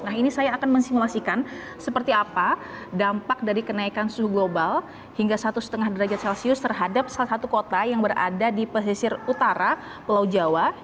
nah ini saya akan mensimulasikan seperti apa dampak dari kenaikan suhu global hingga satu lima derajat celcius terhadap salah satu kota yang berada di pesisir utara pulau jawa